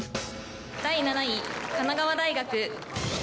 第７位、神奈川大学。